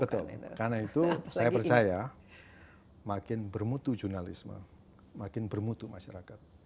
betul karena itu saya percaya makin bermutu jurnalisme makin bermutu masyarakat